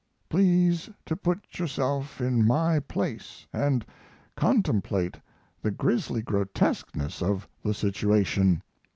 Please to put yourself in my place and contemplate the grisly grotesqueness of the situation.